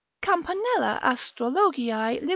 Tho. Campanella Astrologiae lib.